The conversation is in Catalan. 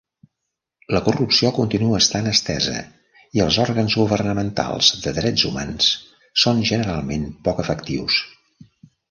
La corrupció continua estant estesa i els òrgans governamentals de drets humans són generalment poc efectius.